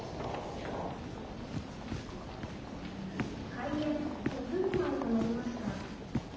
「開演５分前となりました」。